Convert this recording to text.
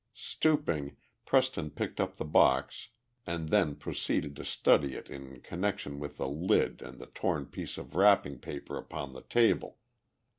Stooping, Preston picked up the box and then proceeded to study it in connection with the lid and the torn piece of wrapping paper upon the table.